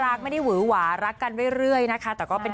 แล้วไม่มีข้อห้ามอะไรใช่ไหมห้ามลิมิตได้ทั้งนั้น